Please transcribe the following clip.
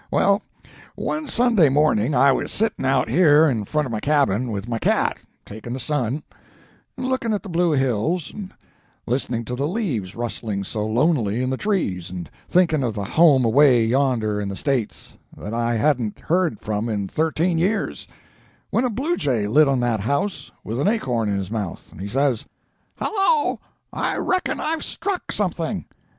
Well, one Sunday morning I was sitting out here in front of my cabin, with my cat, taking the sun, and looking at the blue hills, and listening to the leaves rustling so lonely in the trees, and thinking of the home away yonder in the states, that I hadn't heard from in thirteen years, when a bluejay lit on that house, with an acorn in his mouth, and says, 'Hello, I reckon I've struck something.'